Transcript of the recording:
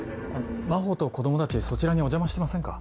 真帆と子供たちそちらにお邪魔してませんか？